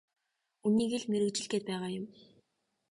Үүнийгээ л мэргэжил гээд байгаа юм.